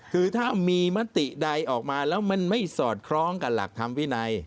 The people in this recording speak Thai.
คือถ้ามีมติใดออกมาแล้วมันไม่สอดคล้องกับหลักธรรมวินัย